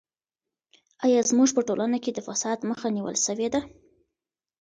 ایا زموږ په ټولنه کې د فساد مخه نیول سوې ده؟